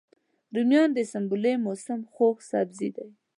رومیان د سنبلې موسم خوږ سبزی دی